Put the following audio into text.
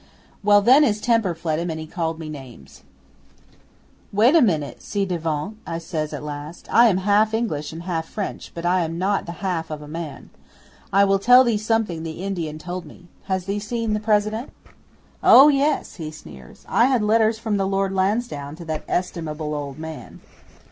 'Well, then his temper fled him and he called me names. '"Wait a minute, ci devant," I says at last. "I am half English and half French, but I am not the half of a man. I will tell thee something the Indian told me. Has thee seen the President?" '"Oh yes!" he sneers. "I had letters from the Lord Lansdowne to that estimable old man."